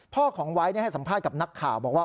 ของไวท์ให้สัมภาษณ์กับนักข่าวบอกว่า